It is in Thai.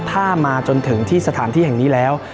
ถ้ามาจนถึงที่สถานที่แห่งนี้แล้ว